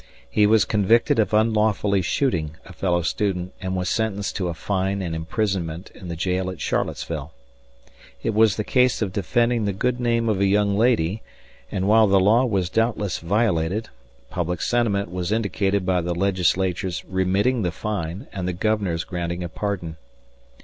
He was convicted of unlawfully shooting a fellow student and was sentenced to a fine and imprisonment in the jail at Charlottesville. It was the case of defending the good name of a young lady and, while the law was doubtless violated, public sentiment was indicated by the legislature's remitting the fine and the governor's granting a pardon.